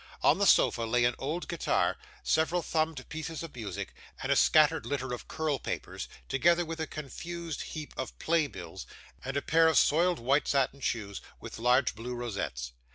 On the sofa lay an old guitar, several thumbed pieces of music, and a scattered litter of curl papers; together with a confused heap of play bills, and a pair of soiled white satin shoes with large blue rosettes.